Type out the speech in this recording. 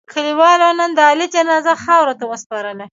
کلیوالو نن د علي جنازه خاورو ته و سپارله.